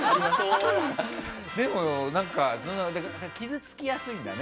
でも、傷つきやすいんだね。